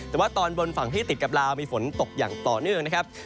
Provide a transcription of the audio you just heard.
แต่ว่าตอนบนฝั่งที่ติดกับลาวมีฝนตกอย่างต่อเนื่องนะครับ